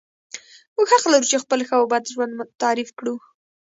موږ حق لرو چې خپل ښه او بد ژوند تعریف کړو.